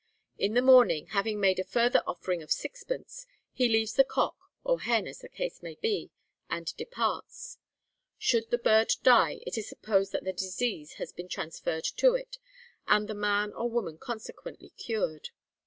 In the morning, having made a further offering of sixpence, he leaves the cock (or hen, as the case may be) and departs. 'Should the bird die, it is supposed that the disease has been transferred to it, and the man or woman consequently cured.'